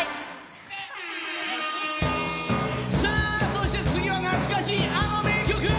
そして次は懐かしいあの名曲。